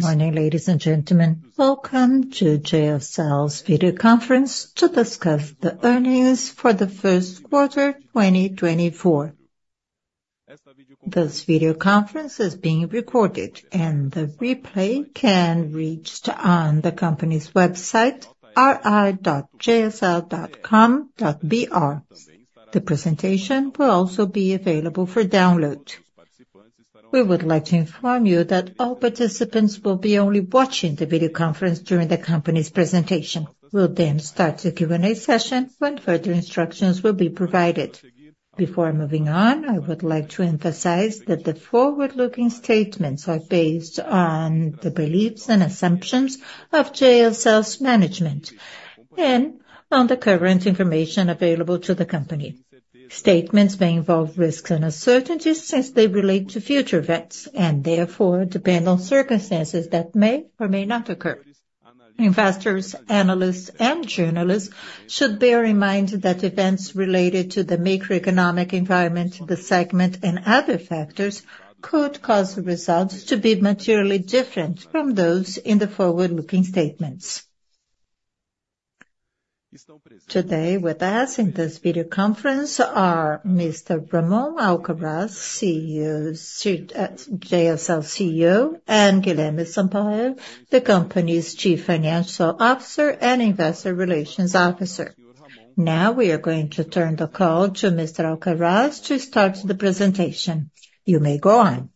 Morning, ladies and gentlemen. Welcome to JSL's video conference to discuss the earnings for the first quarter, 2024. This video conference is being recorded, and the replay can be reached on the company's website, ri.jsl.com.br. The presentation will also be available for download. We would like to inform you that all participants will be only watching the video conference during the company's presentation. We'll then start the Q&A session when further instructions will be provided. Before moving on, I would like to emphasize that the forward-looking statements are based on the beliefs and assumptions of JSL's management, and on the current information available to the company. Statements may involve risks and uncertainties, since they relate to future events, and therefore depend on circumstances that may or may not occur. Investors, analysts, and journalists should bear in mind that events related to the macroeconomic environment, the segment, and other factors, could cause the results to be materially different from those in the forward-looking statements. Today, with us in this video conference are Mr. Ramon Alcaraz, CEO, Chief, JSL CEO, and Guilherme Sampaio, the company's Chief Financial Officer and Investor Relations Officer. Now, we are going to turn the call to Mr. Alcaraz to start the presentation. You may go on.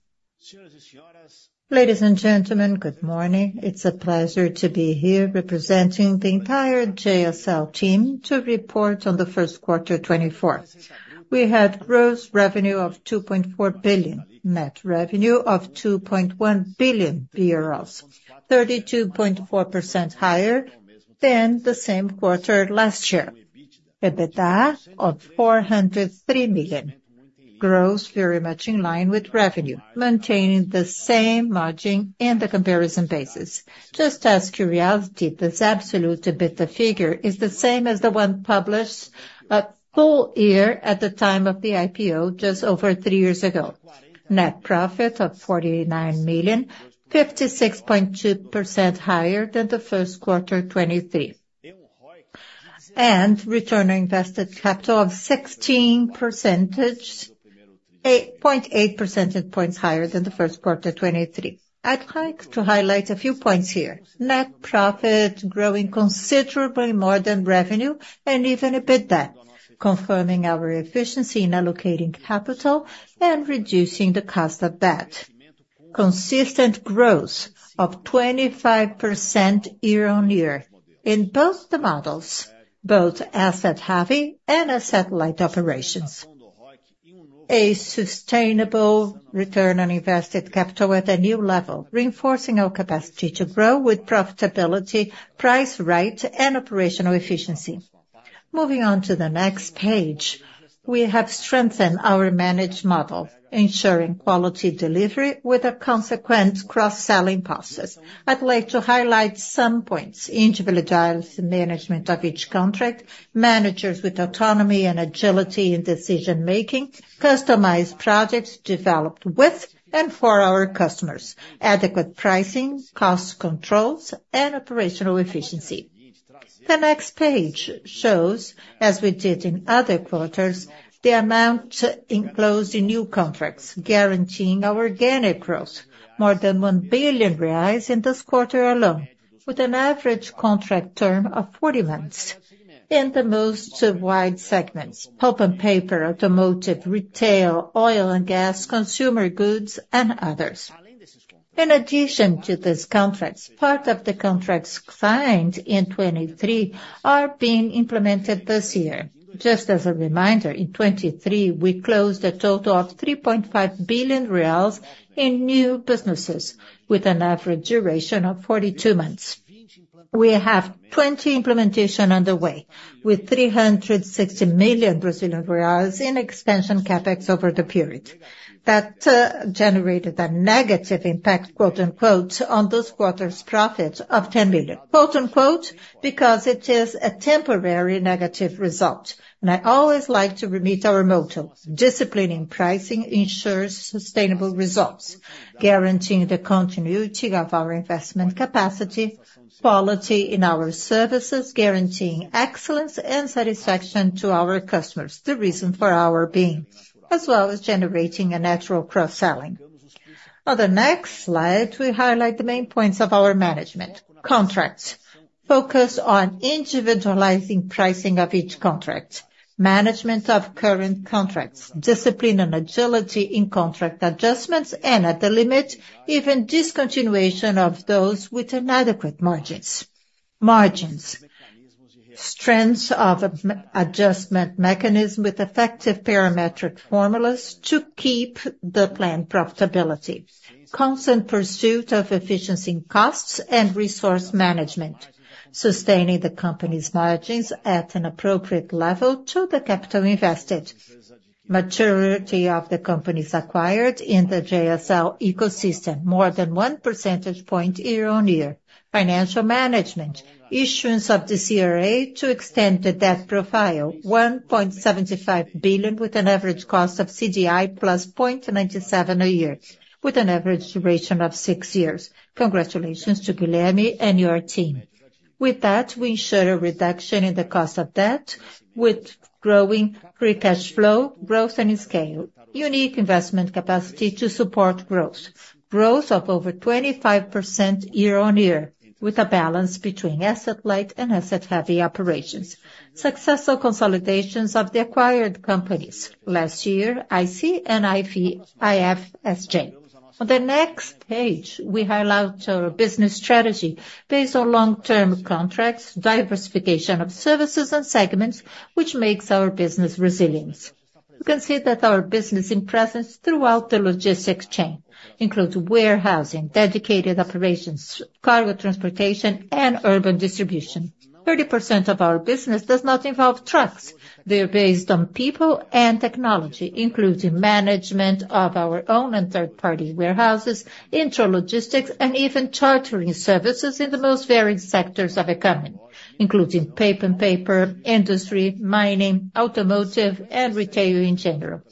Ladies and gentlemen, good morning. It's a pleasure to be here representing the entire JSL team to report on the first quarter 2024. We had gross revenue of 2.4 billion, net revenue of BRL 2.1 billion, 32.4% higher than the same quarter last year. EBITDA of 403 million, gross very much in line with revenue, maintaining the same margin in the comparison basis. Just as curiosity, this absolute EBITDA figure is the same as the one published at full year at the time of the IPO, just over 3 years ago. Net profit of 49 million, 56.2% higher than the first quarter 2023. Return on invested capital of 16%, 8.8 percentage points higher than the first quarter 2023. I'd like to highlight a few points here. Net profit growing considerably more than revenue and even EBITDA, confirming our efficiency in allocating capital and reducing the cost of debt. Consistent growth of 25% year-on-year in both the models, both asset-heavy and asset-light operations. A sustainable return on invested capital at a new level, reinforcing our capacity to grow with profitability, price rate, and operational efficiency. Moving on to the next page, we have strengthened our managed model, ensuring quality delivery with a consequent cross-selling process. I'd like to highlight some points. Individualized management of each contract, managers with autonomy and agility in decision-making, customized projects developed with and for our customers, adequate pricing, cost controls, and operational efficiency. The next page shows, as we did in other quarters, the amount enclosed in new contracts, guaranteeing our organic growth more than 1 billion reais in this quarter alone, with an average contract term of 40 months. In the most wide segments, pulp and paper, automotive, retail, oil and gas, consumer goods, and others. In addition to these contracts, part of the contracts signed in 2023 are being implemented this year. Just as a reminder, in 2023, we closed a total of 3.5 billion reais in new businesses with an average duration of 42 months. We have 20 implementation underway, with 360 million Brazilian reais in expansion CapEx over the period. That generated a negative impact, quote unquote, "on this quarter's profit of 10 million." Quote unquote, because it is a temporary negative result, and I always like to repeat our motto: Disciplining pricing ensures sustainable results, guaranteeing the continuity of our investment capacity, quality in our services, guaranteeing excellence and satisfaction to our customers, the reason for our being, as well as generating a natural cross-selling. On the next slide, we highlight the main points of our management. Contracts. Focus on individualizing pricing of each contract, management of current contracts, discipline and agility in contract adjustments, and at the limit, even discontinuation of those with inadequate margins. Margins. Strength of adjustment mechanism with effective parametric formulas to keep the planned profitability. Constant pursuit of efficiency in costs and resource management, sustaining the company's margins at an appropriate level to the capital invested. Maturity of the companies acquired in the JSL ecosystem, more than 1 percentage point year-on-year. Financial management. Issuance of the CRA to extend the debt profile, 1.75 billion, with an average cost of CDI +0.97% a year, with an average duration of 6 years. Congratulations to Guilherme and your team... With that, we ensure a reduction in the cost of debt with growing free cash flow, growth, and scale. Unique investment capacity to support growth. Growth of over 25% year-on-year, with a balance between asset-light and asset-heavy operations. Successful consolidations of the acquired companies. Last year, IC and IFSJ. On the next page, we highlight our business strategy based on long-term contracts, diversification of services and segments, which makes our business resilience. You can see that our business presence throughout the logistics chain includes warehousing, dedicated operations, cargo transportation, and urban distribution. 30% of our business does not involve trucks. They're based on people and technology, including management of our own and third-party warehouses, intra-logistics, and even chartering services in the most varied sectors of the economy, including pulp and paper, industry, mining, automotive, and retail in general.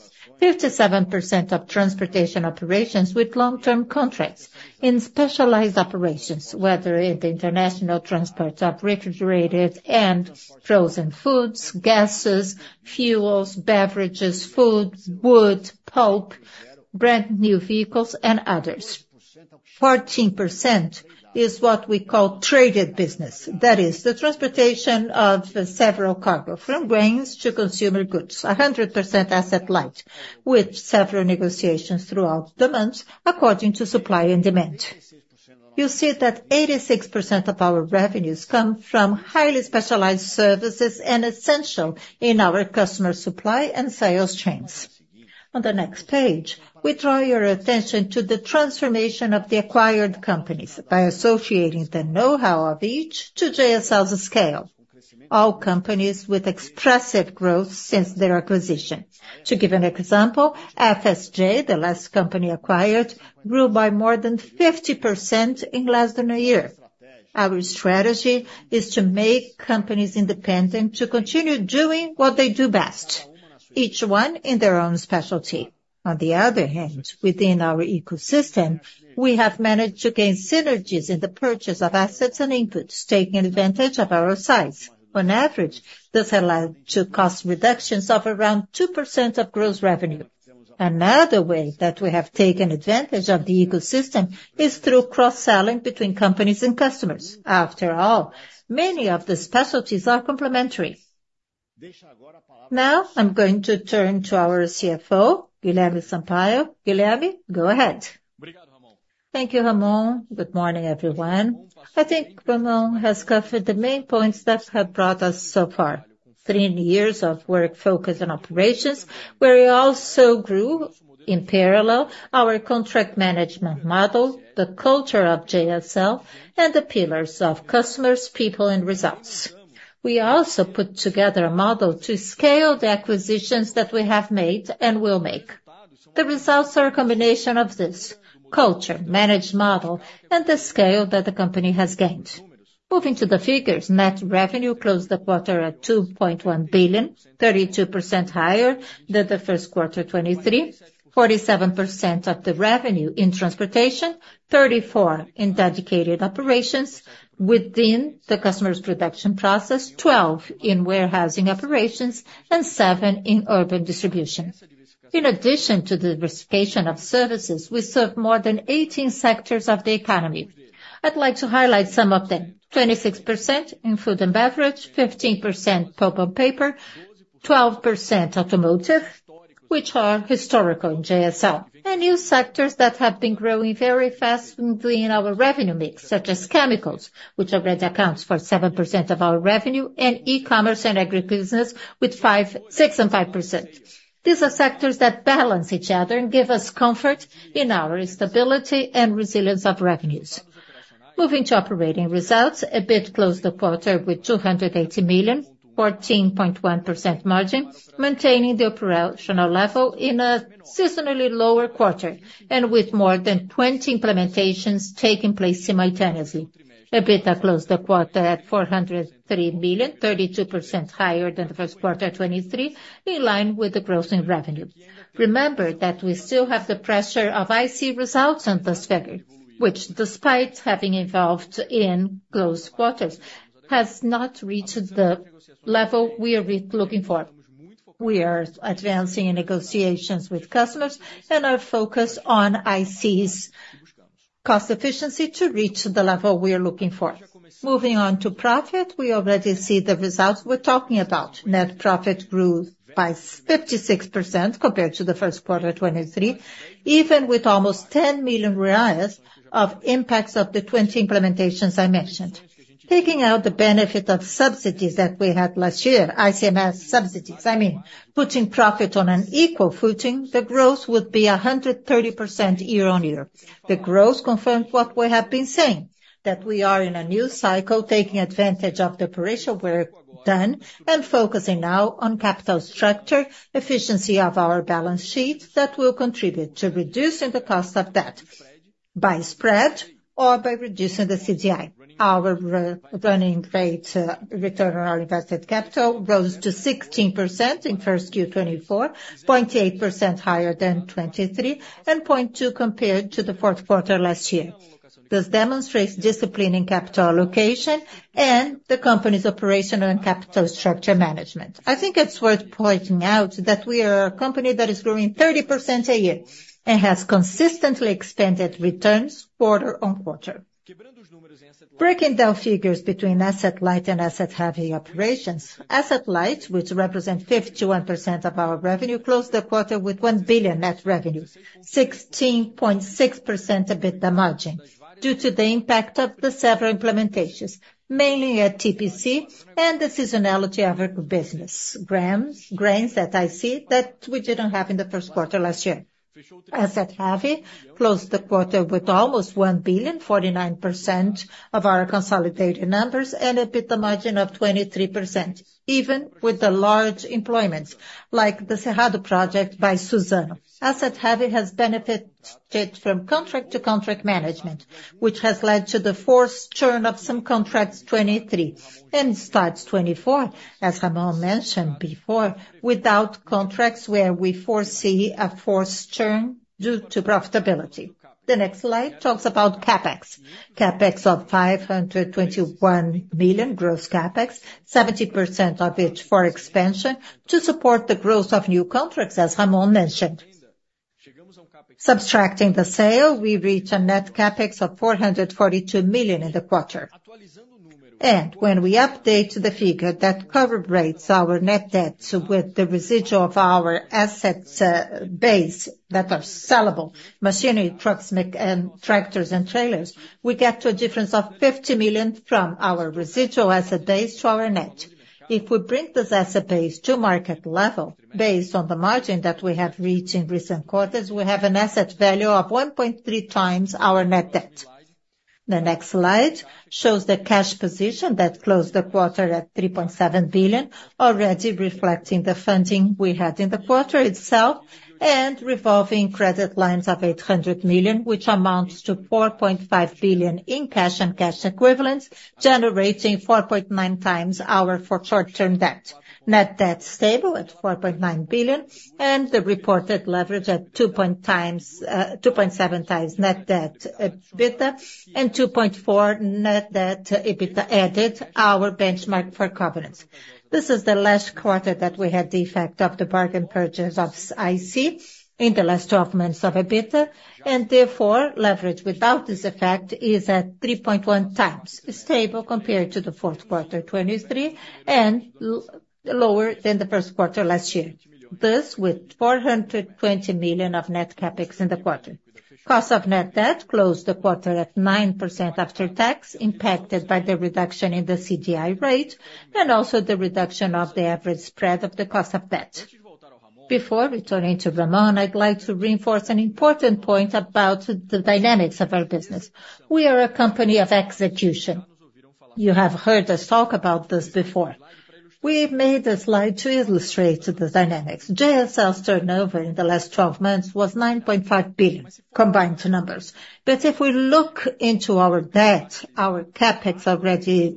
57% of transportation operations with long-term contracts in specialized operations, whether in the international transport of refrigerated and frozen foods, gases, fuels, beverages, food, wood, pulp, brand-new vehicles, and others. 14% is what we call traded business. That is the transportation of several cargo, from grains to consumer goods, 100% asset-light, with several negotiations throughout the month, according to supply and demand. You'll see that 86% of our revenues come from highly specialized services and essential in our customer supply and sales chains. On the next page, we draw your attention to the transformation of the acquired companies by associating the know-how of each to JSL's scale, all companies with expressive growth since their acquisition. To give an example, FSJ, the last company acquired, grew by more than 50% in less than a year. Our strategy is to make companies independent, to continue doing what they do best, each one in their own specialty. On the other hand, within our ecosystem, we have managed to gain synergies in the purchase of assets and inputs, taking advantage of our size. On average, this allowed to cost reductions of around 2% of gross revenue. Another way that we have taken advantage of the ecosystem is through cross-selling between companies and customers. After all, many of the specialties are complementary. Now, I'm going to turn to our CFO, Guilherme Sampaio. Guilherme, go ahead. Thank you, Ramon. Good morning, everyone. I think Ramon has covered the main points that have brought us so far. Three years of work focus and operations, where we also grew, in parallel, our contract management model, the culture of JSL, and the pillars of customers, people, and results. We also put together a model to scale the acquisitions that we have made and will make. The results are a combination of this: culture, managed model, and the scale that the company has gained. Moving to the figures, net revenue closed the quarter at 2.1 billion, 32% higher than the first quarter 2023. 47% of the revenue in transportation, 34% in dedicated operations within the customer's production process, 12 in warehousing operations, and 7 in urban distribution. In addition to the diversification of services, we serve more than 18 sectors of the economy. I'd like to highlight some of them: 26% in food and beverage, 15% pulp and paper, 12% automotive, which are historical in JSL. New sectors that have been growing very fast within our revenue mix, such as chemicals, which already accounts for 7% of our revenue, and e-commerce and agribusiness with 5%, 6% and 5%. These are sectors that balance each other and give us comfort in our stability and resilience of revenues. Moving to operating results, EBIT closed the quarter with 280 million, 14.1% margin, maintaining the operational level in a seasonally lower quarter, and with more than 20 implementations taking place simultaneously. EBITDA closed the quarter at 403 million, 32% higher than the first quarter 2023, in line with the growth in revenue. Remember that we still have the pressure of IC results on this figure, which, despite having involved in close quarters, has not reached the level we are relooking for. We are advancing in negotiations with customers and are focused on IC's cost efficiency to reach the level we are looking for. Moving on to profit, we already see the results we're talking about. Net profit grew by 56% compared to the first quarter 2023, even with almost 10 million reais of impacts of the 20 implementations I mentioned. Taking out the benefit of subsidies that we had last year, ICMS subsidies, I mean, putting profit on an equal footing, the growth would be 130% year-on-year. The growth confirms what we have been saying, that we are in a new cycle, taking advantage of the operational work done and focusing now on capital structure, efficiency of our balance sheet that will contribute to reducing the cost of debt by spread or by reducing the CDI. Our running rate return on our invested capital rose to 16% in first Q 2024, 0.8% higher than 2023, and 0.2% compared to the fourth quarter last year. This demonstrates discipline in capital allocation and the company's operational and capital structure management. I think it's worth pointing out that we are a company that is growing 30% a year, and has consistently expanded returns quarter on quarter. Breaking down figures between asset light and asset heavy operations. Asset light, which represent 51% of our revenue, closed the quarter with 1 billion net revenue, 16.6% EBITDA margin, due to the impact of the several implementations, mainly at TPC and the seasonality of our business. Grains, grains at IC that we didn't have in the first quarter last year. Asset heavy closed the quarter with almost 1 billion, 49% of our consolidated numbers and EBITDA margin of 23%, even with the large employments, like the Cerrado Project by Suzano. Asset-heavy has benefited from contract-to-contract management, which has led to the forced churn of some contracts 2023, and starts 2024, as Ramon mentioned before, without contracts where we foresee a forced churn due to profitability. The next slide talks about CapEx. CapEx of 521 million, gross CapEx, 70% of it for expansion to support the growth of new contracts, as Ramon mentioned. Subtracting the sale, we reach a net CapEx of 442 million in the quarter. When we update the figure that cover rates our net debt with the residual of our assets base that are sellable, machinery, trucks, and tractors and trailers, we get to a difference of 50 million from our residual asset base to our net. If we bring this asset base to market level, based on the margin that we have reached in recent quarters, we have an asset value of 1.3 our net debt. The next slide shows the cash position that closed the quarter at 3.7 billion, already reflecting the funding we had in the quarter itself, and revolving credit lines of 800 million, which amounts to 4.5 billion in cash and cash equivalents, generating 4.9x our short-term debt. Net debt stable at 4.9 billion, and the reported leverage at 2.0x, 2.7x net debt / EBITDA, and 2.4x net debt / EBITDA as our benchmark for covenants. This is the last quarter that we had the effect of the bargain purchase of IC in the last twelve months of EBITDA, and therefore, leverage without this effect is at 3.1x. It's stable compared to the fourth quarter 2023, and lower than the first quarter last year. This with 420 million of net CapEx in the quarter. Cost of net debt closed the quarter at 9% after tax, impacted by the reduction in the CDI rate, and also the reduction of the average spread of the cost of debt. Before returning to Ramon, I'd like to reinforce an important point about the dynamics of our business. We are a company of execution. You have heard us talk about this before. We have made a slide to illustrate the dynamics. JSL's turnover in the last twelve months was 9.5 billion, combined to numbers. But if we look into our debt, our CapEx already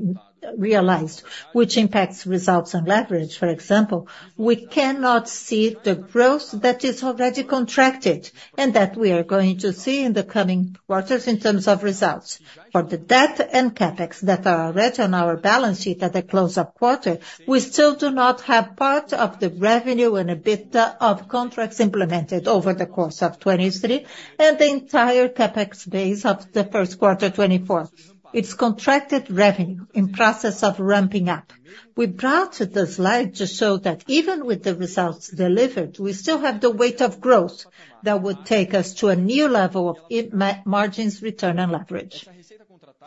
realized, which impacts results and leverage, for example, we cannot see the growth that is already contracted and that we are going to see in the coming quarters in terms of results. For the debt and CapEx that are already on our balance sheet at the close of quarter, we still do not have part of the revenue and EBITDA of contracts implemented over the course of 2023, and the entire CapEx base of the first quarter 2024. It's contracted revenue in process of ramping up. We brought the slide to show that even with the results delivered, we still have the weight of growth that would take us to a new level of margins, return and leverage.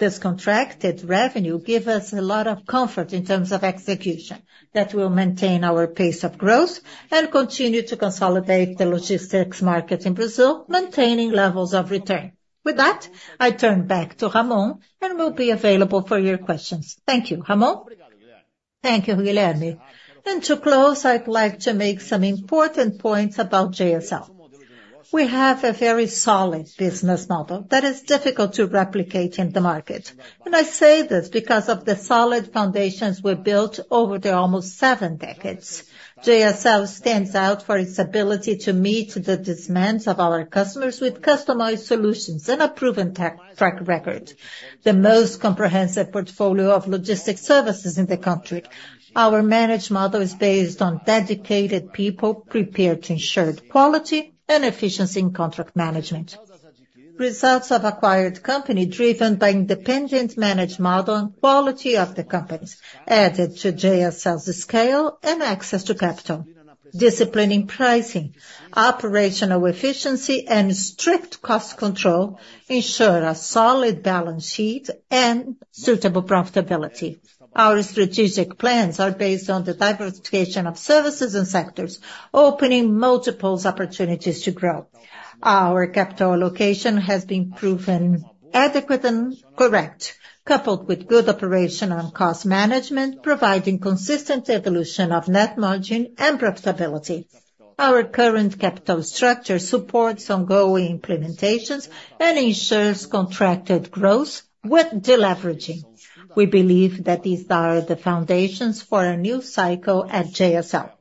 This contracted revenue give us a lot of comfort in terms of execution, that will maintain our pace of growth and continue to consolidate the logistics market in Brazil, maintaining levels of return. With that, I turn back to Ramon and will be available for your questions. Thank you. Ramon? Thank you, Guilherme. To close, I'd like to make some important points about JSL. We have a very solid business model that is difficult to replicate in the market. I say this because of the solid foundations we built over the almost seven decades. JSL stands out for its ability to meet the demands of our customers with customized solutions and a proven track record. The most comprehensive portfolio of logistics services in the country. Our managed model is based on dedicated people prepared to ensure the quality and efficiency in contract management. Results of acquired company, driven by independent managed model and quality of the companies, added to JSL's scale and access to capital. Discipline in pricing, operational efficiency and strict cost control ensure a solid balance sheet and suitable profitability. Our strategic plans are based on the diversification of services and sectors, opening multiples opportunities to grow. Our capital allocation has been proven adequate and correct, coupled with good operational and cost management, providing consistent evolution of net margin and profitability. Our current capital structure supports ongoing implementations and ensures contracted growth with deleveraging. We believe that these are the foundations for a new cycle at JSL.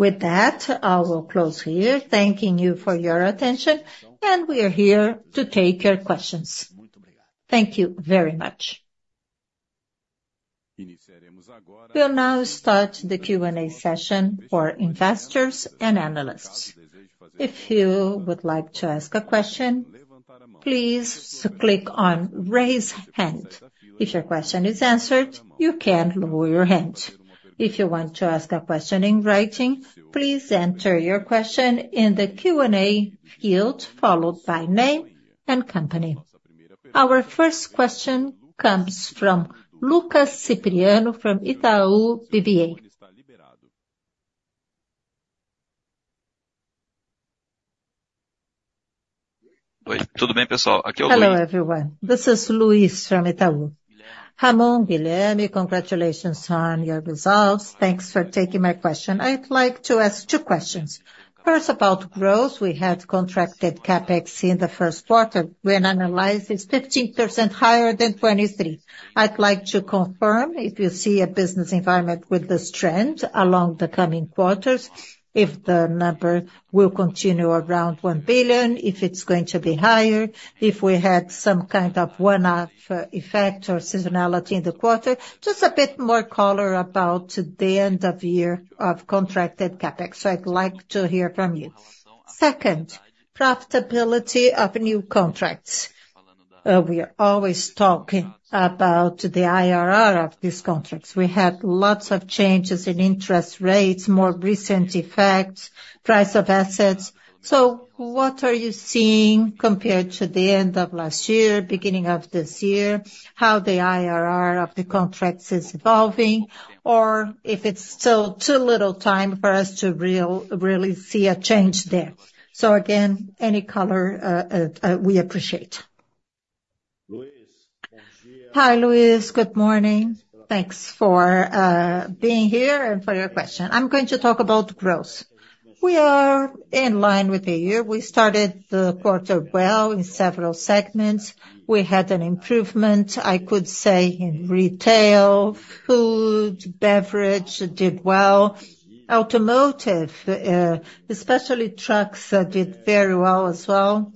With that, I will close here, thanking you for your attention, and we are here to take your questions. Thank you very much. We'll now start the Q&A session for investors and analysts. If you would like to ask a question, please click on Raise Hand. If your question is answered, you can lower your hand. If you want to ask a question in writing, please enter your question in the Q&A field, followed by name and company. Our first question comes from Luiz Capistrano from Itaú BBA. Hello, everyone. This is Luiz from Itaú. Ramon, Guilherme, congratulations on your results. Thanks for taking my question. I'd like to ask two questions. First, about growth. We had contracted CapEx in the first quarter. When analyzed, it's 15% higher than 2023. I'd like to confirm if you see a business environment with this trend along the coming quarters, if the number will continue around 1 billion, if it's going to be higher, if we had some kind of one-off effect or seasonality in the quarter. Just a bit more color about the end of year of contracted CapEx. So I'd like to hear from you. Second, profitability of new contracts. We are always talking about the IRR of these contracts. We had lots of changes in interest rates, more recent effects, price of assets. So what are you seeing compared to the end of last year, beginning of this year? How the IRR of the contracts is evolving, or if it's still too little time for us to really see a change there. So again, any color, we appreciate. Hi, Luiz. Good morning. Thanks for being here and for your question. I'm going to talk about growth. We are in line with the year. We started the quarter well in several segments. We had an improvement, I could say, in retail, food, beverage did well. Automotive, especially trucks, did very well as well.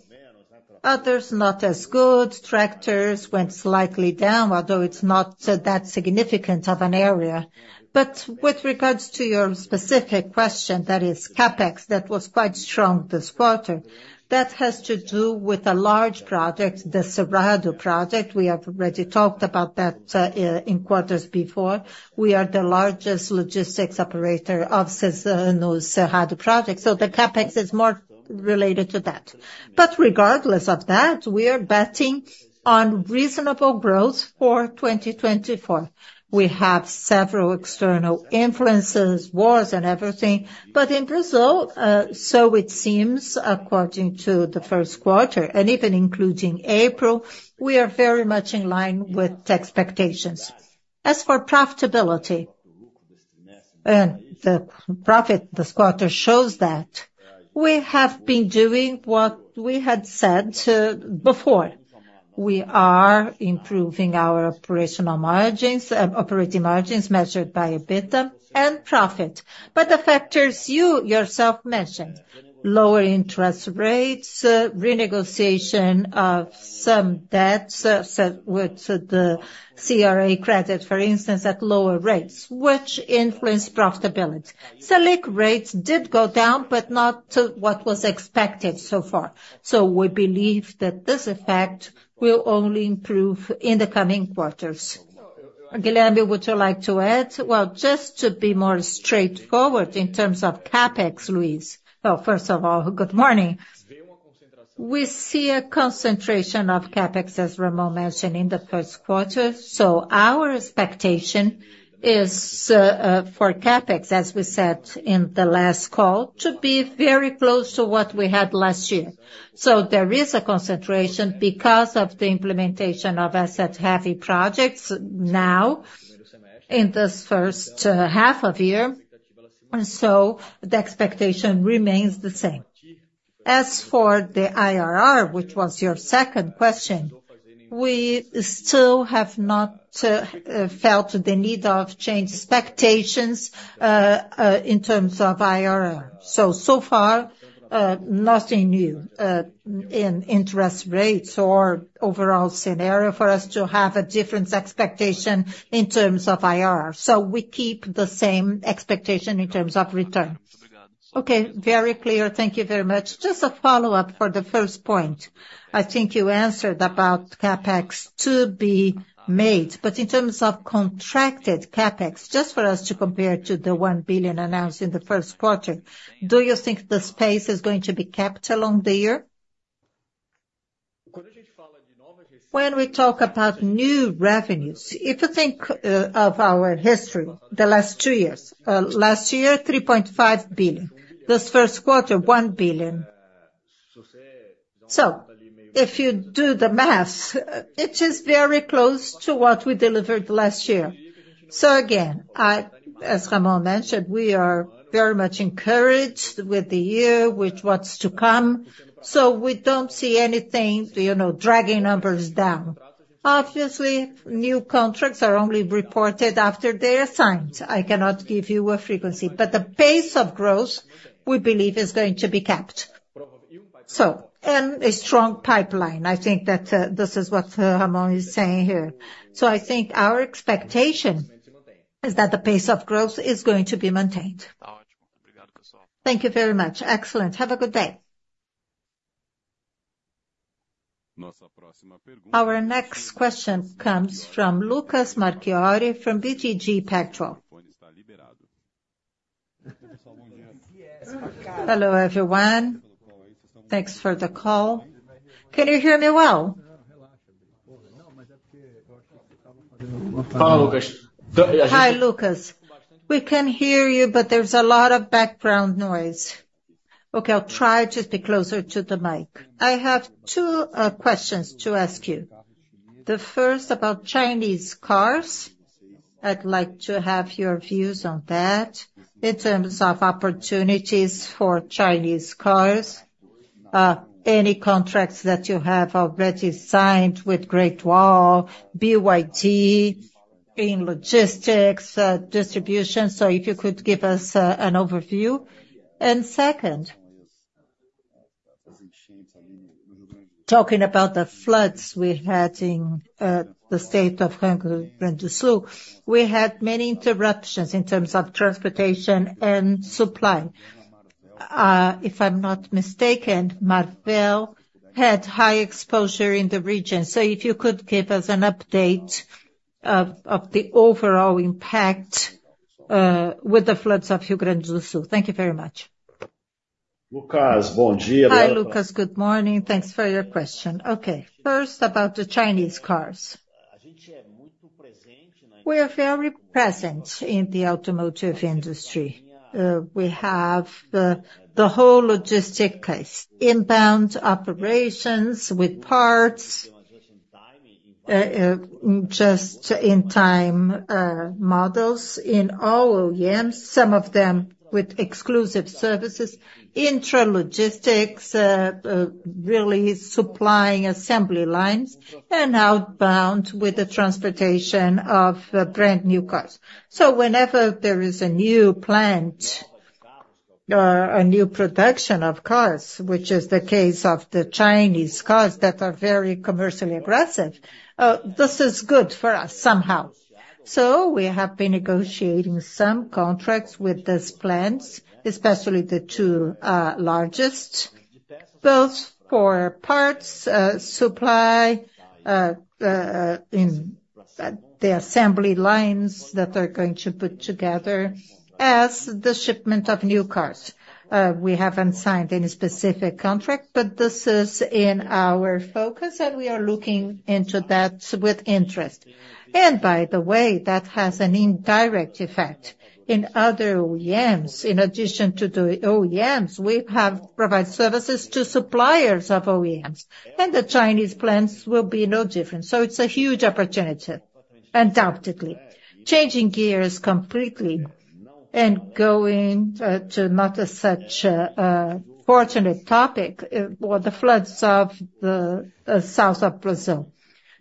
Others, not as good. Tractors went slightly down, although it's not that significant of an area. But with regards to your specific question, that is CapEx, that was quite strong this quarter. That has to do with a large project, the Cerrado Project. We have already talked about that, in quarters before. We are the largest logistics operator of Ces- no, Cerrado Project, so the CapEx is more related to that. But regardless of that, we are betting on reasonable growth for 2024. We have several external influences, wars and everything, but in Brazil, so it seems, according to the first quarter, and even including April, we are very much in line with expectations. As for profitability, and the profit this quarter shows that we have been doing what we had said, before. We are improving our operational margins and operating margins measured by EBITDA and profit. But the factors you yourself mentioned, lower interest rates, renegotiation of some debts, so with the CRA credit, for instance, at lower rates, which influence profitability. Selic rates did go down, but not to what was expected so far. So we believe that this effect will only improve in the coming quarters. Guilherme, would you like to add? Well, just to be more straightforward in terms of CapEx, Luiz. First of all, good morning. We see a concentration of CapEx, as Ramon mentioned in the first quarter. So our expectation is, for CapEx, as we said in the last call, to be very close to what we had last year. So there is a concentration because of the implementation of asset-heavy projects now in this first half of year, and so the expectation remains the same. As for the IRR, which was your second question, we still have not felt the need of change expectations in terms of IRR. So, so far, nothing new in interest rates or overall scenario for us to have a different expectation in terms of IRR. So we keep the same expectation in terms of returns. Okay, very clear. Thank you very much. Just a follow-up for the first point. I think you answered about CapEx to be made, but in terms of contracted CapEx, just for us to compare to the 1 billion announced in the first quarter, do you think the space is going to be kept along the year? When we talk about new revenues, if you think of our history, the last two years, last year, 3.5 billion. This first quarter, 1 billion. So if you do the math, it is very close to what we delivered last year. So again, I, as Ramon mentioned, we are very much encouraged with the year, with what's to come, so we don't see anything, you know, dragging numbers down. Obviously, new contracts are only reported after they are signed. I cannot give you a frequency, but the pace of growth, we believe, is going to be kept. So and a strong pipeline, I think that, this is what, Ramon is saying here. So I think our expectation is that the pace of growth is going to be maintained. Thank you very much. Excellent. Have a good day. Our next question comes from Lucas Marquiori, from BTG Pactual. Hello, everyone. Thanks for the call. Can you hear me well? Hi, Lucas. We can hear you, but there's a lot of background noise. Okay, I'll try to stay closer to the mic. I have two questions to ask you. The first about Chinese cars. I'd like to have your views on that in terms of opportunities for Chinese cars. Any contracts that you have already signed with Great Wall, BYD, in logistics, distribution. So if you could give us an overview. And second, talking about the floods we had in the state of Rio Grande do Sul. We had many interruptions in terms of transportation and supply. If I'm not mistaken, Marvel had high exposure in the region, so if you could give us an update of the overall impact with the floods of Rio Grande do Sul. Thank you very much. Lucas, bom dia- Hi, Lucas. Good morning. Thanks for your question. Okay, first, about the Chinese cars. We are very present in the automotive industry. We have the whole logistic case, inbound operations with parts, just in time models in our OEMs, some of them with exclusive services, intralogistics really supplying assembly lines and outbound with the transportation of brand-new cars. So whenever there is a new plant, a new production of cars, which is the case of the Chinese cars that are very commercially aggressive, this is good for us somehow. So we have been negotiating some contracts with these plants, especially the two largest, both for parts supply in the assembly lines that they're going to put together, as the shipment of new cars. We haven't signed any specific contract, but this is in our focus, and we are looking into that with interest. And by the way, that has an indirect effect in other OEMs. In addition to the OEMs, we have provided services to suppliers of OEMs, and the Chinese plants will be no different. So it's a huge opportunity, undoubtedly. Changing gears completely and going to not such a fortunate topic, well, the floods of the south of Brazil.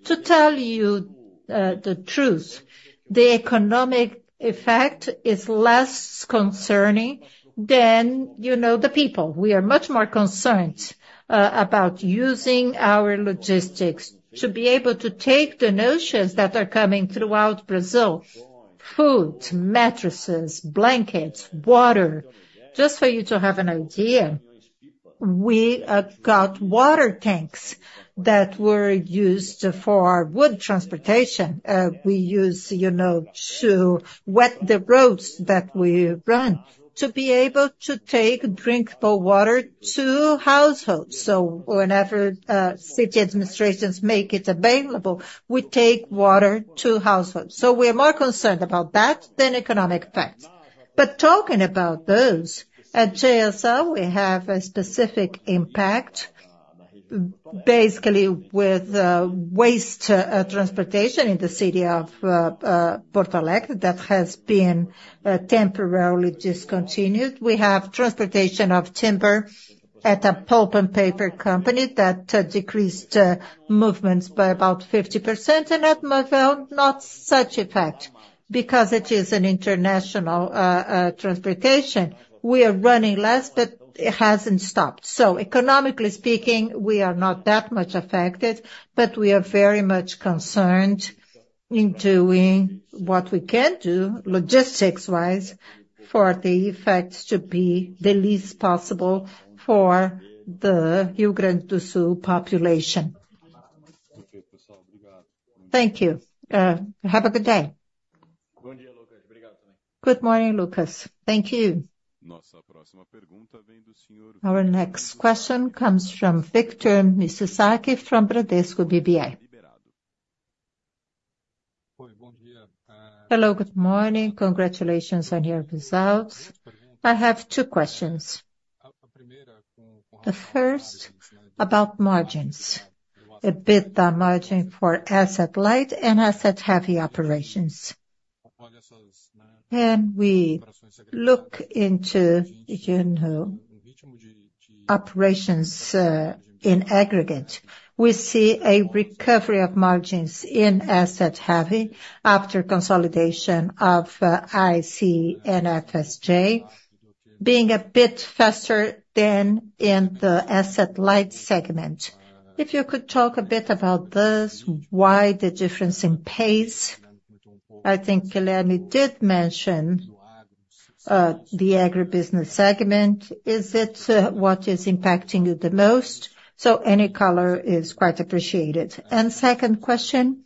To tell you the truth, the economic effect is less concerning than, you know, the people. We are much more concerned about using our logistics to be able to take the notions that are coming throughout Brazil: food, mattresses, blankets, water. Just for you to have an idea, we got water tanks that were used for wood transportation. We use, you know, to wet the roads that we run, to be able to take drinkable water to households. So whenever city administrations make it available, we take water to households. So we are more concerned about that than economic effects. But talking about those, at JSL, we have a specific impact, basically with waste transportation in the city of Porto Alegre, that has been temporarily discontinued. We have transportation of timber at a pulp and paper company that decreased movements by about 50%, and at Marvel, not such effect, because it is an international transportation. We are running less, but it hasn't stopped. So economically speaking, we are not that much affected, but we are very much concerned in doing what we can do, logistics-wise, for the effects to be the least possible for the Rio Grande do Sul population. Thank you. Have a good day. Good morning, Lucas. Thank you. Our next question comes from Victor Mizusaki from Bradesco BBI. Hello, good morning. Congratulations on your results. I have two questions. The first, about margins. EBITDA margin for asset-light and asset-heavy operations. When we look into, you know, operations, in aggregate, we see a recovery of margins in asset-heavy after consolidation of, IC and FSJ, being a bit faster than in the asset-light segment. If you could talk a bit about this, why the difference in pace? I think Guilherme did mention, the agribusiness segment. Is it, what is impacting you the most? So any color is quite appreciated. And second question,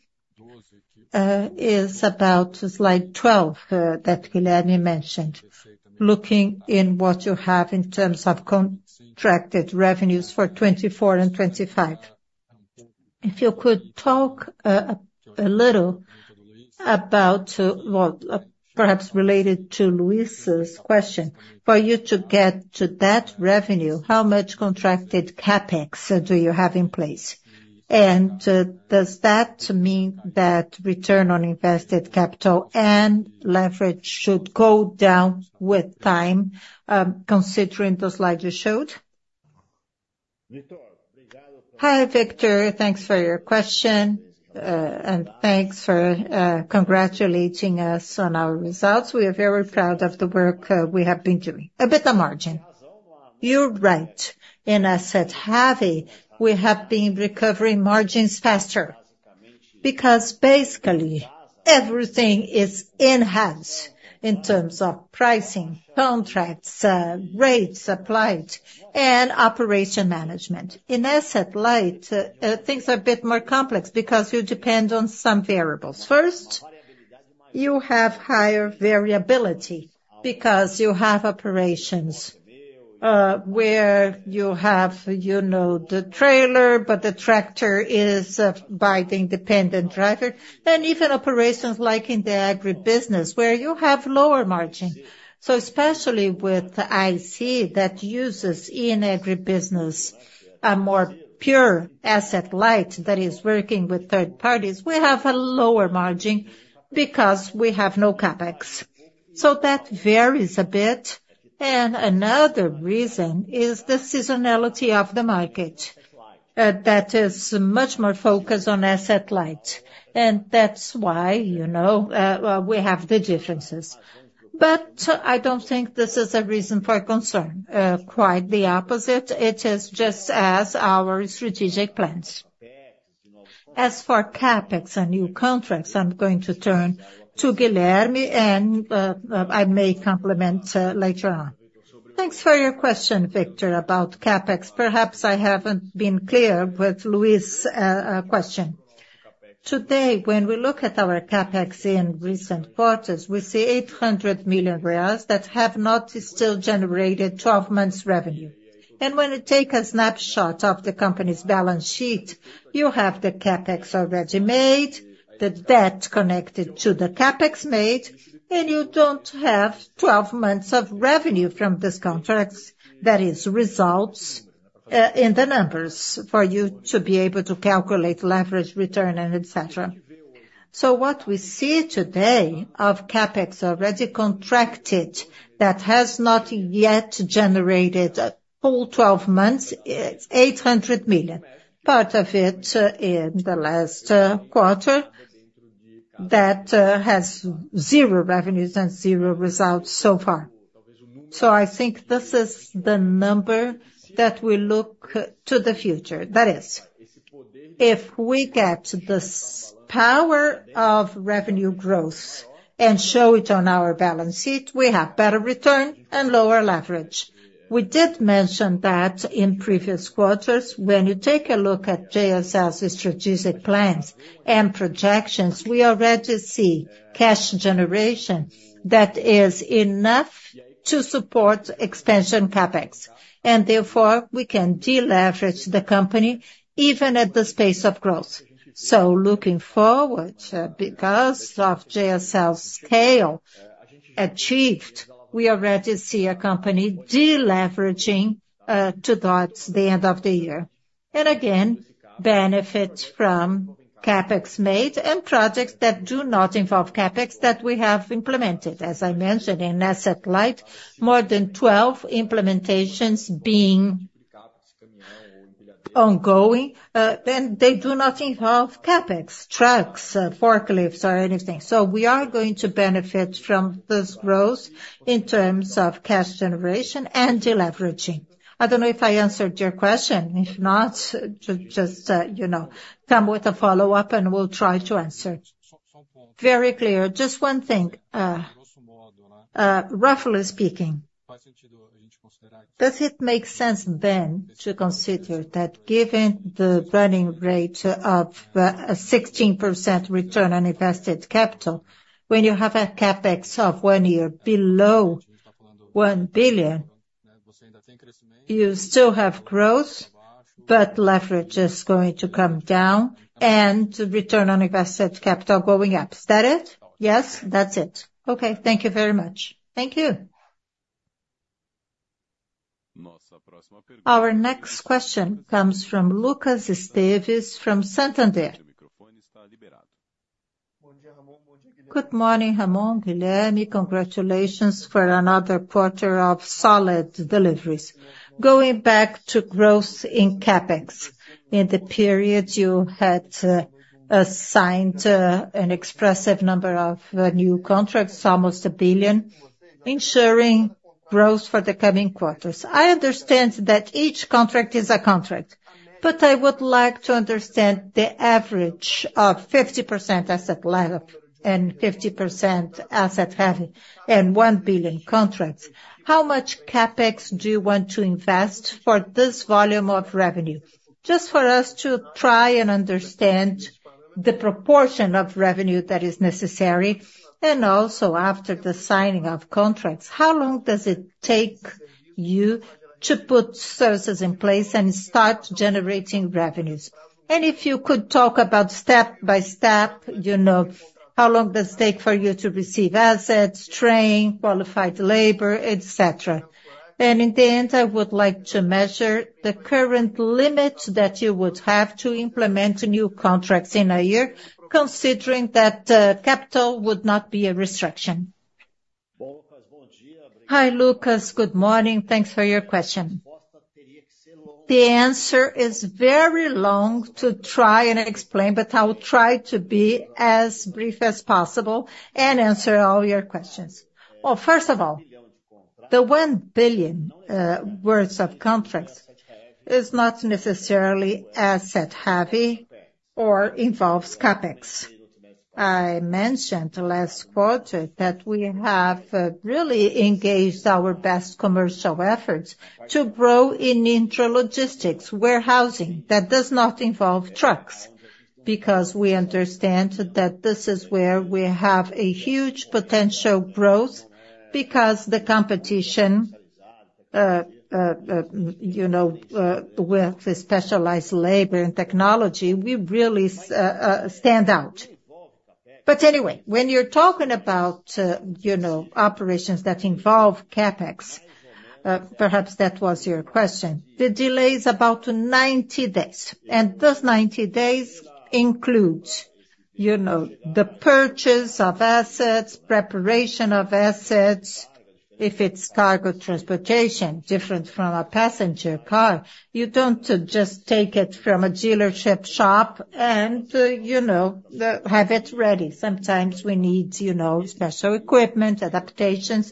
is about slide 12, that Guilherme mentioned. Looking in what you have in terms of contracted revenues for 2024 and 2025. If you could talk, a little about, well, perhaps related to Luiz's question, for you to get to that revenue, how much contracted CapEx do you have in place? Does that mean that return on invested capital and leverage should go down with time, considering the slide you showed? Hi, Victor. Thanks for your question. And thanks for congratulating us on our results. We are very proud of the work we have been doing. EBITDA margin. You're right. In asset-heavy, we have been recovering margins faster, because basically, everything is in-house in terms of pricing, contracts, rates applied, and operation management. In asset-light, things are a bit more complex because you depend on some variables. First, you have higher variability, because you have operations where you have, you know, the trailer, but the tractor is by the independent driver, and even operations like in the agribusiness, where you have lower margin. So especially with IC, that uses in agribusiness a more pure asset light that is working with third parties, we have a lower margin because we have no CapEx. So that varies a bit. And another reason is the seasonality of the market, that is much more focused on asset light, and that's why, you know, we have the differences. But I don't think this is a reason for concern. Quite the opposite, it is just as our strategic plans. As for CapEx and new contracts, I'm going to turn to Guilherme, and, I may complement, later on. Thanks for your question, Victor, about CapEx. Perhaps I haven't been clear with Luiz's, question. Today, when we look at our CapEx in recent quarters, we see 800 million reais that have not still generated 12 months revenue. And when you take a snapshot of the company's balance sheet, you have the CapEx already made, the debt connected to the CapEx made, and you don't have 12 months of revenue from this contracts. That is, results, in the numbers for you to be able to calculate leverage, return, and et cetera. So what we see today of CapEx already contracted that has not yet generated a full 12 months, 800 million. Part of it, in the last quarter, that has zero revenues and zero results so far. So I think this is the number that we look to the future. That is, if we get this power of revenue growth and show it on our balance sheet, we have better return and lower leverage. We did mention that in previous quarters, when you take a look at JSL's strategic plans and projections, we already see cash generation that is enough to support expansion CapEx, and therefore, we can deleverage the company even at the pace of growth. So looking forward, because of JSL's scale achieved, we already see a company deleveraging towards the end of the year. And again, benefit from CapEx made and projects that do not involve CapEx that we have implemented. As I mentioned, in asset-light, more than 12 implementations being ongoing, then they do not involve CapEx, trucks, forklifts or anything. So we are going to benefit from this growth in terms of cash generation and deleveraging. I don't know if I answered your question. If not, just, you know, come with a follow-up, and we'll try to answer. Very clear. Just one thing. Roughly speaking, does it make sense then to consider that given the burning rate of a 16% return on invested capital, when you have a CapEx of one year below 1 billion?... you still have growth, but leverage is going to come down and return on invested capital going up. Is that it? Yes, that's it. Okay, thank you very much. Thank you! Our next question comes from Lucas Esteves, from Santander. Good morning, Ramon, Guilherme. Congratulations for another quarter of solid deliveries. Going back to growth in CapEx. In the period, you had assigned an expressive number of new contracts, almost 1 billion, ensuring growth for the coming quarters. I understand that each contract is a contract, but I would like to understand the average of 50% asset-light and 50% asset-heavy and 1 billion contracts. How much CapEx do you want to invest for this volume of revenue? Just for us to try and understand the proportion of revenue that is necessary, and also after the signing of contracts, how long does it take you to put services in place and start generating revenues? And if you could talk about step by step, you know, how long does it take for you to receive assets, train qualified labor, et cetera. And in the end, I would like to measure the current limit that you would have to implement new contracts in a year, considering that, capital would not be a restriction. Hi, Lucas. Good morning. Thanks for your question. The answer is very long to try and explain, but I will try to be as brief as possible and answer all your questions. Well, first of all, the 1 billion worth of contracts is not necessarily asset-heavy or involves CapEx. I mentioned last quarter that we have really engaged our best commercial efforts to grow in intralogistics, warehousing, that does not involve trucks, because we understand that this is where we have a huge potential growth, because the competition, you know, with the specialized labor and technology, we really stand out. But anyway, when you're talking about, you know, operations that involve CapEx, perhaps that was your question, the delay is about 90 days, and those 90 days includes, you know, the purchase of assets, preparation of assets. If it's cargo transportation, different from a passenger car, you don't just take it from a dealership shop and, you know, have it ready. Sometimes we need, you know, special equipment, adaptations.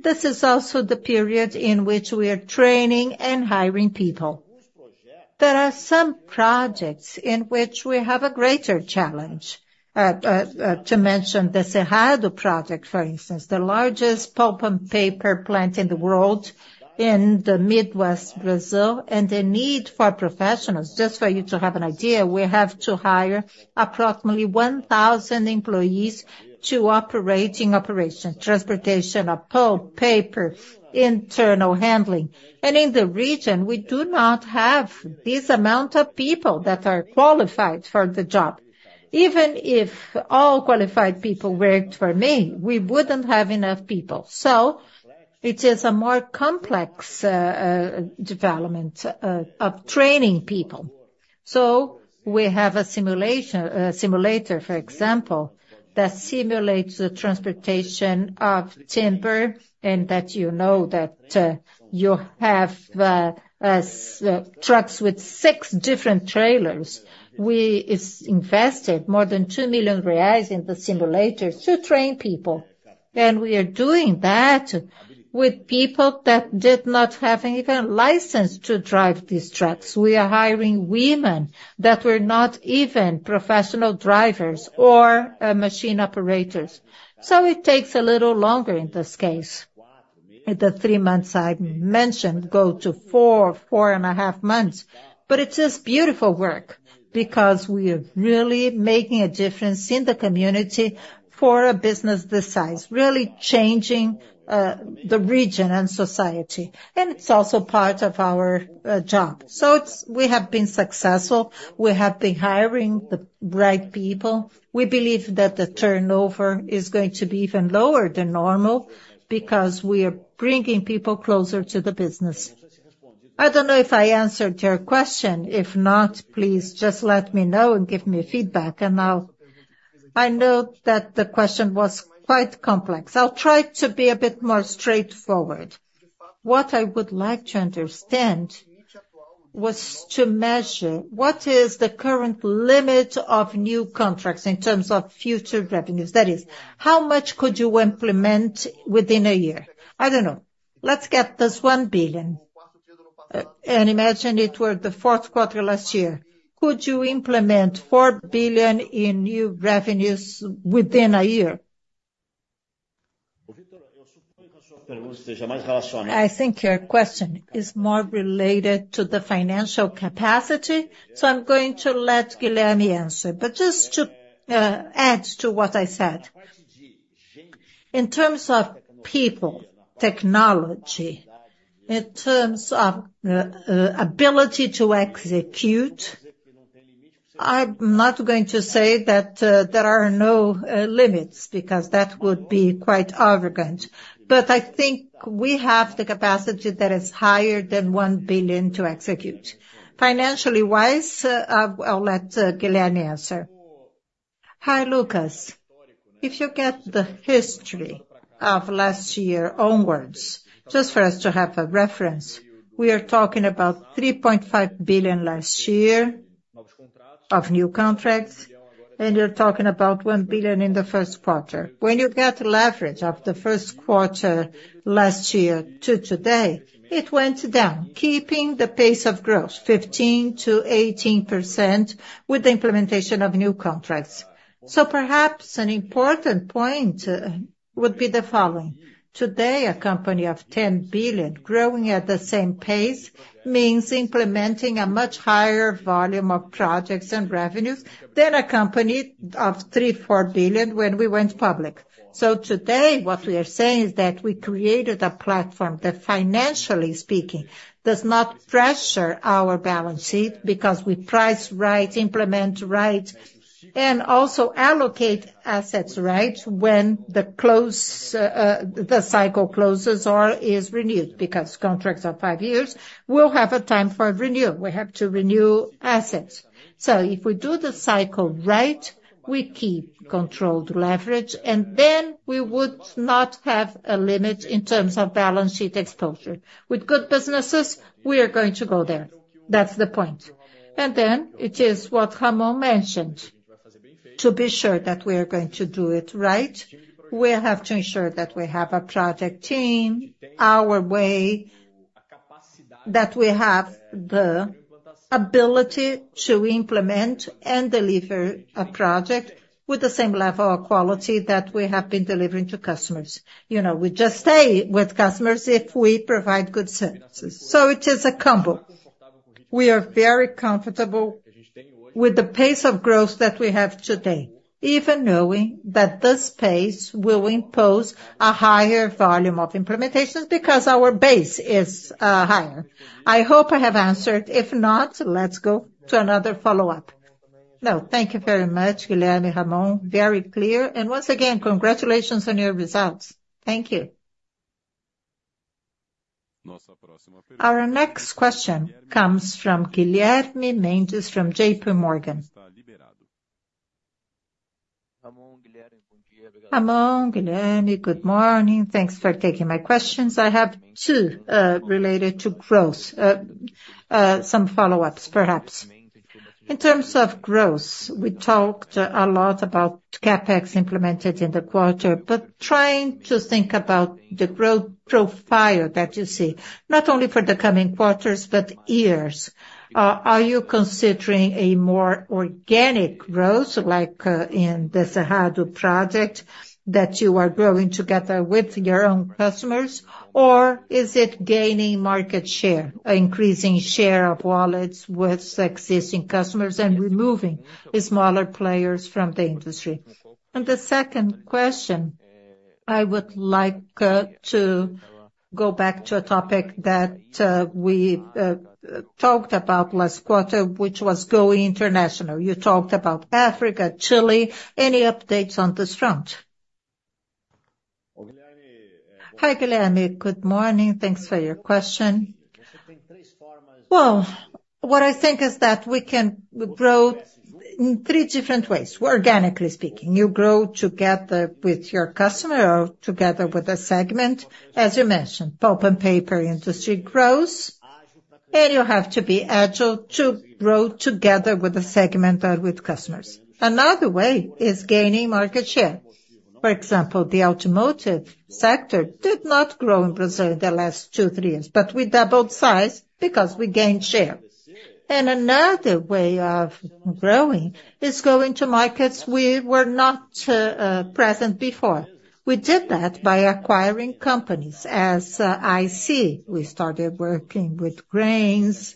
This is also the period in which we are training and hiring people. There are some projects in which we have a greater challenge. To mention the Cerrado Project, for instance, the largest pulp and paper plant in the world, in the Midwest Brazil, and the need for professionals. Just for you to have an idea, we have to hire approximately 1,000 employees to operating operation, transportation of pulp, paper, internal handling. And in the region, we do not have this amount of people that are qualified for the job. Even if all qualified people worked for me, we wouldn't have enough people. So it is a more complex development of training people. So we have a simulator, for example, that simulates the transportation of timber, and, you know, that you have trucks with six different trailers. We invested more than 2 million reais in the simulators to train people, and we are doing that with people that did not even have a license to drive these trucks. We are hiring women that were not even professional drivers or machine operators, so it takes a little longer in this case. The three months I mentioned go to four, four and a half months. But it is beautiful work because we are really making a difference in the community for a business this size, really changing the region and society, and it's also part of our job. So it's. We have been successful. We have been hiring the right people. We believe that the turnover is going to be even lower than normal because we are bringing people closer to the business. I don't know if I answered your question. If not, please just let me know and give me feedback, and I'll, I know that the question was quite complex. I'll try to be a bit more straightforward. What I would like to understand was to measure what is the current limit of new contracts in terms of future revenues. That is, how much could you implement within a year? I don't know. Let's get this 1 billion, and imagine it were the fourth quarter last year. Could you implement 4 billion in new revenues within a year? I think your question is more related to the financial capacity, so I'm going to let Guilherme Mendes answer. But just to add to what I said... In terms of people, technology, in terms of, ability to execute, I'm not going to say that, there are no, limits, because that would be quite arrogant. But I think we have the capacity that is higher than 1 billion to execute. Financially-wise, I'll let Guilherme answer. Hi, Lucas. If you get the history of last year onwards, just for us to have a reference, we are talking about 3.5 billion last year of new contracts, and you're talking about 1 billion in the first quarter. When you get leverage of the first quarter last year to today, it went down, keeping the pace of growth 15%-18% with the implementation of new contracts. So perhaps an important point would be the following: Today, a company of 10 billion growing at the same pace means implementing a much higher volume of projects and revenues than a company of 3- 4 billion when we went public. So today, what we are saying is that we created a platform that, financially speaking, does not pressure our balance sheet, because we price right, implement right, and also allocate assets right when the close the cycle closes or is renewed. Because contracts are five years, we'll have a time for renewal. We have to renew assets. So if we do the cycle right, we keep controlled leverage, and then we would not have a limit in terms of balance sheet exposure. With good businesses, we are going to go there. That's the point. And then it is what Ramon mentioned. To be sure that we are going to do it right, we have to ensure that we have a project team, our way, that we have the ability to implement and deliver a project with the same level of quality that we have been delivering to customers. You know, we just stay with customers if we provide good services. So it is a combo. We are very comfortable with the pace of growth that we have today, even knowing that this pace will impose a higher volume of implementations because our base is higher. I hope I have answered. If not, let's go to another follow-up. No, thank you very much, Guilherme, Ramon. Very clear. And once again, congratulations on your results. Thank you. Our next question comes from Guilherme Mendes from JPMorgan. Ramon, Guilherme, good morning. Thanks for taking my questions. I have two related to growth. Some follow-ups, perhaps. In terms of growth, we talked a lot about CapEx implemented in the quarter, but trying to think about the growth profile that you see, not only for the coming quarters, but years, are you considering a more organic growth, like, in the Cerrado Project, that you are growing together with your own customers? Or is it gaining market share, increasing share of wallets with existing customers and removing the smaller players from the industry? The second question, I would like, to go back to a topic that, we, talked about last quarter, which was going international. You talked about Africa, Chile. Any updates on this front? Hi, Guilherme. Good morning. Thanks for your question. Well, what I think is that we can grow in three different ways, organically speaking. You grow together with your customer or together with a segment. As you mentioned, pulp and paper industry grows, and you have to be agile to grow together with the segment or with customers. Another way is gaining market share. For example, the automotive sector did not grow in Brazil in the last 2, 3 years, but we doubled size because we gained share. Another way of growing is going to markets we were not present before. We did that by acquiring companies. As I see, we started working with grains,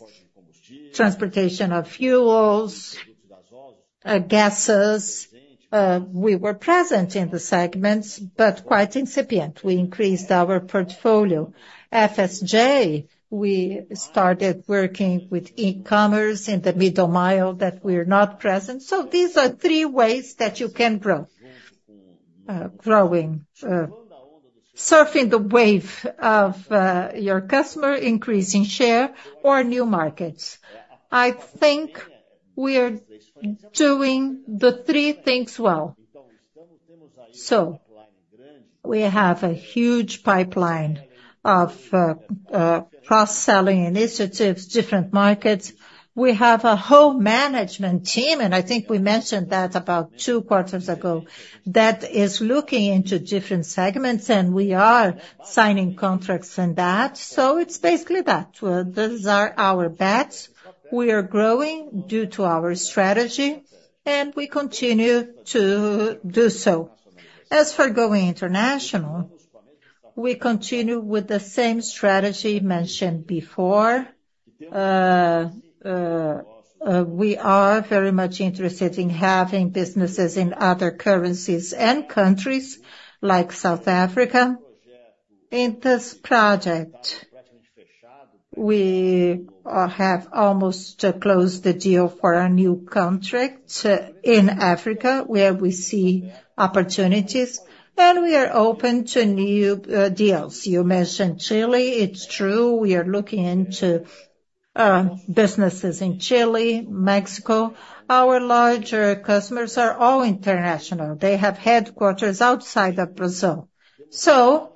transportation of fuels, gases. We were present in the segments, but quite incipient. We increased our portfolio. FSJ, we started working with e-commerce in the middle mile that we are not present. So these are three ways that you can grow, surfing the wave of your customer, increasing share or new markets. I think we are doing the three things well. So we have a huge pipeline of cross-selling initiatives, different markets. We have a whole management team, and I think we mentioned that about two quarters ago, that is looking into different segments, and we are signing contracts and that. So it's basically that. These are our bets. We are growing due to our strategy, and we continue to do so. As for going international. We continue with the same strategy mentioned before. We are very much interested in having businesses in other currencies and countries, like South Africa. In this project, we have almost closed the deal for a new contract in Africa, where we see opportunities, and we are open to new deals. You mentioned Chile. It's true, we are looking into businesses in Chile, Mexico. Our larger customers are all international. They have headquarters outside of Brazil. So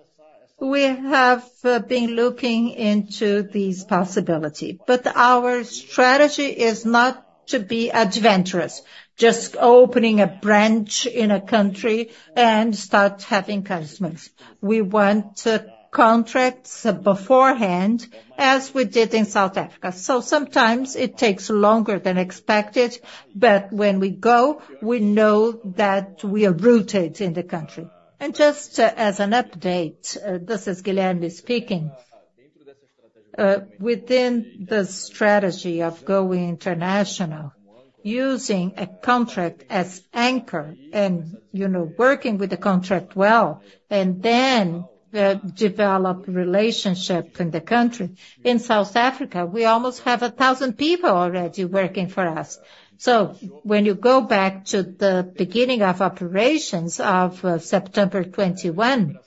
we have been looking into these possibility, but our strategy is not to be adventurous, just opening a branch in a country and start having customers. We want contracts beforehand, as we did in South Africa. So sometimes it takes longer than expected, but when we go, we know that we are rooted in the country. And just as an update, this is Guilherme speaking. Within the strategy of going international, using a contract as anchor and, you know, working with the contract well, and then, develop relationship in the country. In South Africa, we almost have 1,000 people already working for us. So when you go back to the beginning of operations of September 2021,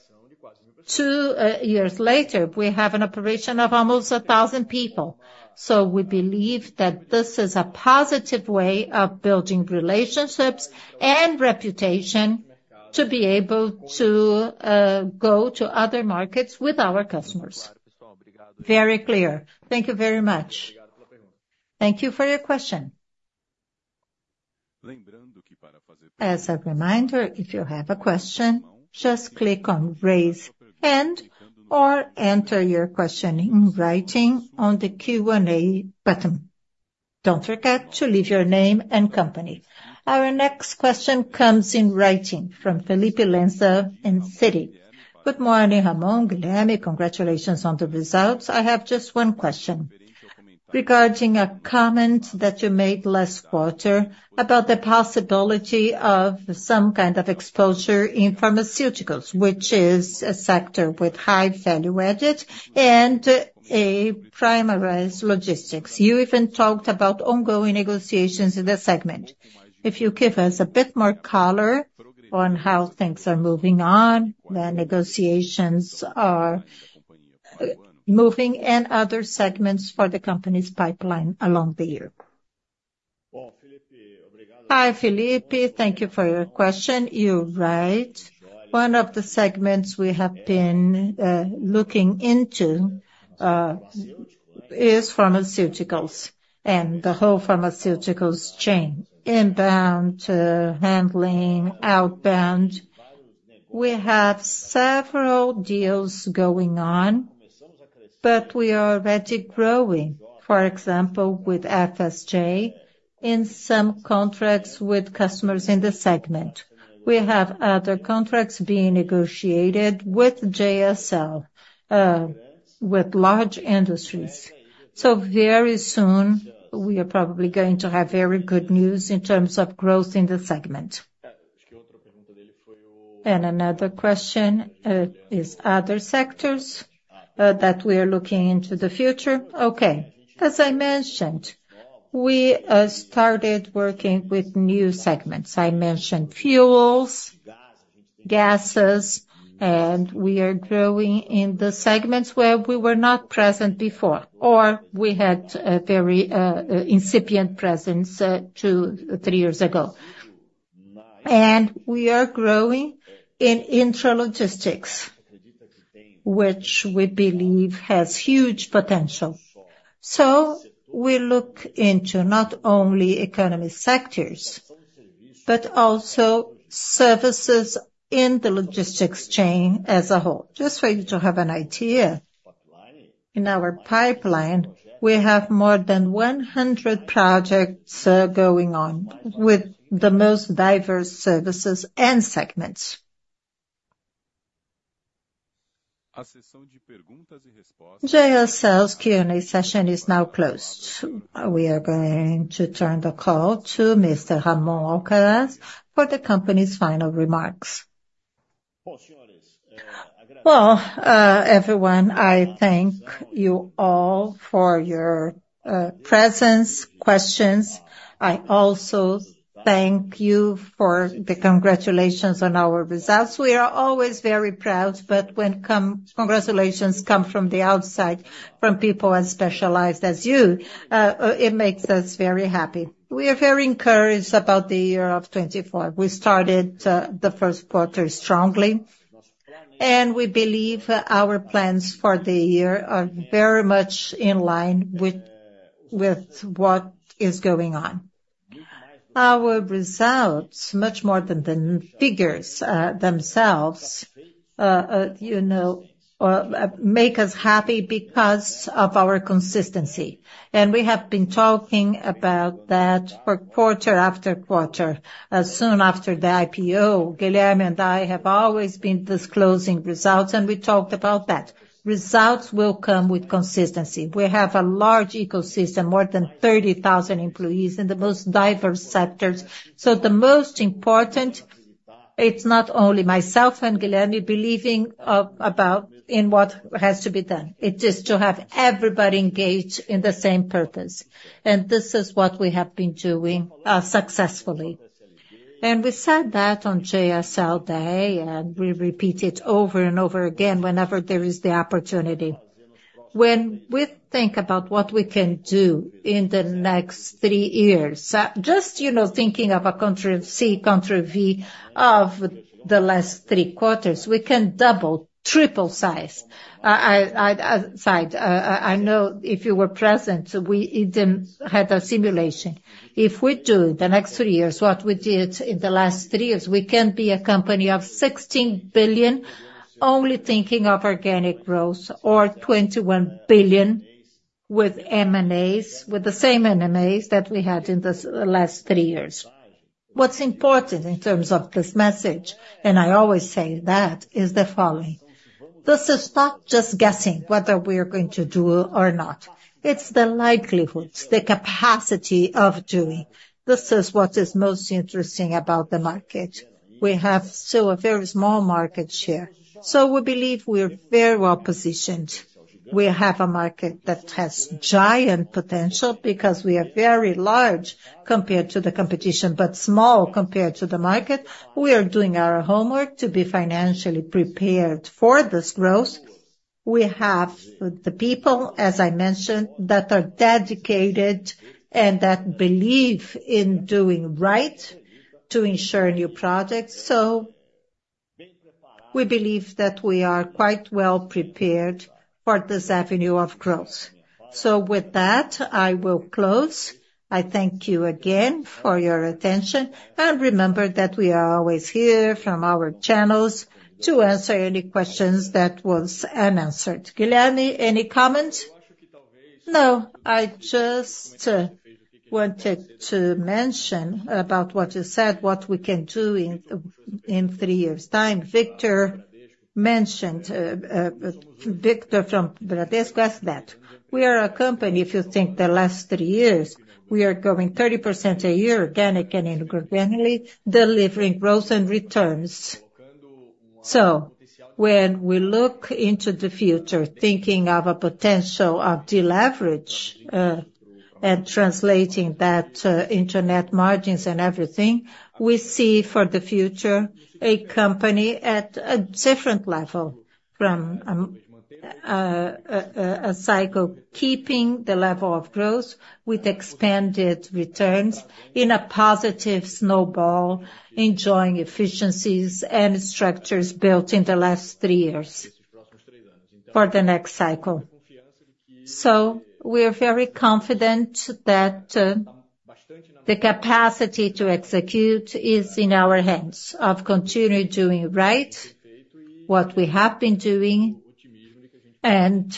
two years later, we have an operation of almost 1,000 people. So we believe that this is a positive way of building relationships and reputation to be able to go to other markets with our customers. Very clear. Thank you very much. Thank you for your question. As a reminder, if you have a question, just click on Raise Hand or enter your question in writing on the Q&A button. Don't forget to leave your name and company. Our next question comes in writing from Felipe Lenza in Citi. Good morning, Ramon, Guilherme. Congratulations on the results. I have just one question. Regarding a comment that you made last quarter about the possibility of some kind of exposure in pharmaceuticals, which is a sector with high value added and a prioritized logistics. You even talked about ongoing negotiations in this segment. If you give us a bit more color on how things are moving on, the negotiations are moving, and other segments for the company's pipeline along the year. Hi, Felipe. Thank you for your question. You're right. One of the segments we have been looking into is pharmaceuticals and the whole pharmaceuticals chain, inbound, handling, outbound. We have several deals going on, but we are already growing, for example, with FSJ, in some contracts with customers in the segment. We have other contracts being negotiated with JSL with large industries. So very soon, we are probably going to have very good news in terms of growth in the segment. And another question is other sectors that we are looking into the future? Okay. As I mentioned, we started working with new segments. I mentioned fuels, gases, and we are growing in the segments where we were not present before, or we had a very incipient presence 2-3 years ago. And we are growing in intralogistics, which we believe has huge potential. So we look into not only economy sectors, but also services in the logistics chain as a whole. Just for you to have an idea, in our pipeline, we have more than 100 projects going on with the most diverse services and segments. JSL's Q&A session is now closed. We are going to turn the call to Mr. Ramon Alcaraz for the company's final remarks. Well, everyone, I thank you all for your presence, questions. I also thank you for the congratulations on our results. We are always very proud, but when congratulations come from the outside, from people as specialized as you, it makes us very happy. We are very encouraged about the year of 2024. We started the first quarter strongly, and we believe our plans for the year are very much in line with what is going on. Our results, much more than the figures themselves, you know, make us happy because of our consistency. And we have been talking about that for quarter after quarter. As soon after the IPO, Guilherme and I have always been disclosing results, and we talked about that. Results will come with consistency. We have a large ecosystem, more than 30,000 employees in the most diverse sectors. So the most important, it's not only myself and Guilherme believing of, about in what has to be done. It is to have everybody engaged in the same purpose, and this is what we have been doing successfully. We said that on JSL Day, and we repeat it over and over again whenever there is the opportunity. When we think about what we can do in the next three years, just, you know, thinking of a country C, country V, of the last three quarters, we can double, triple size. I, I, I, size. I know if you were present, we even had a simulation. If we do the next three years what we did in the last three years, we can be a company of 16 billion, only thinking of organic growth, or 21 billion with M&As, with the same MNAs that we had in this last three years. What's important in terms of this message, and I always say that, is the following: This is not just guessing whether we are going to do or not. It's the likelihoods, the capacity of doing. This is what is most interesting about the market. We have still a very small market share. So we believe we are very well positioned. We have a market that has giant potential because we are very large compared to the competition, but small compared to the market. We are doing our homework to be financially prepared for this growth. We have the people, as I mentioned, that are dedicated and that believe in doing right to ensure new projects. So we believe that we are quite well prepared for this avenue of growth. So with that, I will close. I thank you again for your attention, and remember that we are always here from our channels to answer any questions that was unanswered. Guilherme, any comments? No, I just wanted to mention about what you said, what we can do in three years' time. Victor mentioned Victor from Bradesco asked that. We are a company, if you think the last three years, we are growing 30% a year, organic and inorganically, delivering growth and returns. So when we look into the future, thinking of a potential of deleverage, and translating that into net margins and everything, we see for the future a company at a different level from a cycle, keeping the level of growth with expanded returns in a positive snowball, enjoying efficiencies and structures built in the last three years for the next cycle. So we are very confident that the capacity to execute is in our hands, of continuing doing right what we have been doing, and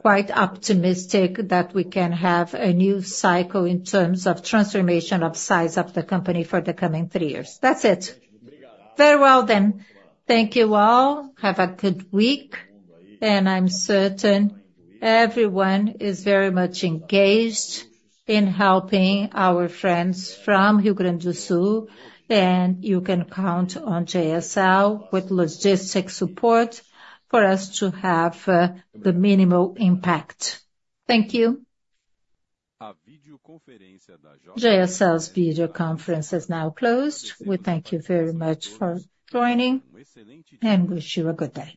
quite optimistic that we can have a new cycle in terms of transformation of size of the company for the coming three years. That's it. Very well then. Thank you all. Have a good week, and I'm certain everyone is very much engaged in helping our friends from Rio Grande do Sul, and you can count on JSL with logistics support for us to have the minimal impact. Thank you. JSL's video conference is now closed. We thank you very much for joining and wish you a good day.